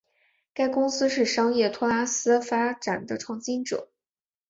该公司是商业托拉斯发展的创新者。